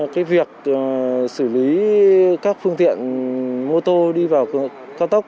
cái việc xử lý các phương tiện mô tô đi vào cao tốc